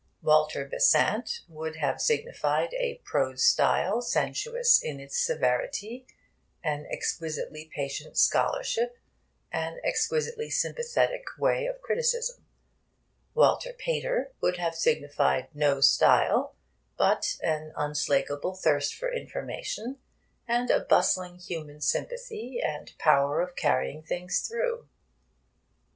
'Walter Besant' would have signified a prose style sensuous in its severity, an exquisitely patient scholarship, an exquisitely sympathetic way of criticism. 'Walter Pater' would have signified no style, but an unslakable thirst for information, and a bustling human sympathy, and power of carrying things through.